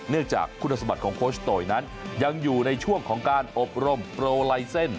เนื่องจากคุณสมบัติของโคชโตยนั้นยังอยู่ในช่วงของการอบรมโปรไลเซ็นต์